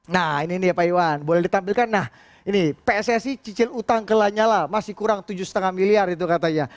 nah ini nih ya pak iwan boleh ditampilkan nah ini pssi cicil utang ke lanyala masih kurang tujuh lima miliar itu katanya